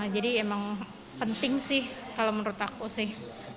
jadi emang penting sih kalau menurut aku sih